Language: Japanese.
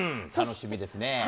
楽しみですね。